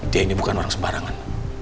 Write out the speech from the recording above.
dia ini bukan orang sembarangan